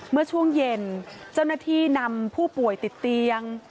เมื่อช่วงเย็นเจ้าหน้าที่นำผู้ป่วยติดเตียง